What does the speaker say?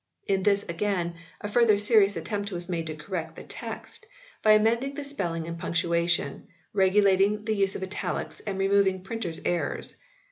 In this, again, a further serious attempt was made to correct the text, by amending the spelling and punctuation, regulating the use of italics and removing printers errors.